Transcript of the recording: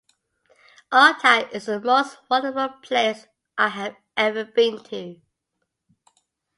Altai is the most wonderful place I have ever been to!